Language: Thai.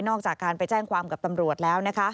จากการไปแจ้งความกับตำรวจแล้วนะคะ